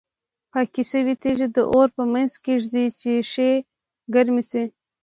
پاکې شوې تیږې د اور په منځ کې ږدي چې ښې ګرمې شي.